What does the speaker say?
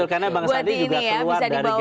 betul karena bang sandi juga keluar dari gerindra